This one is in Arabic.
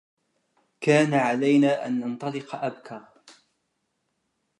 كان علينا أن ننطلق أبكر.